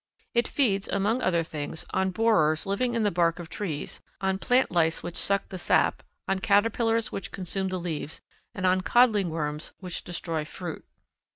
It feeds, among other things, on borers living in the bark of trees, on plant lice which suck the sap, on caterpillars which consume the leaves, and on codling worms which destroy fruit.